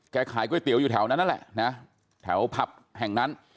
ขายก๋วยเตี๋ยวอยู่แถวนั้นนั่นแหละนะแถวผับแห่งนั้น